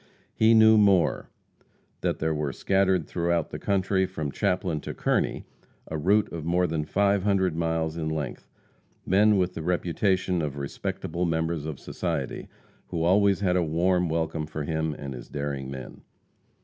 He knew more that there were scattered through the country from Chaplin to Kearney, a route of more than five hundred miles in length, men with the reputation of respectable members of society, who always had a warm welcome for him and his daring men.